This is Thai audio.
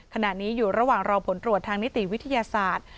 ขณะนี้อยู่ระหว่างรอผลตรวจทางนิติวิทยาศาสตร์